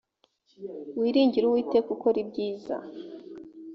wiringire uwiteka ukore ibyiza